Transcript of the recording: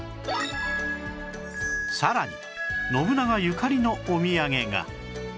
さらに信長ゆかりのお土産が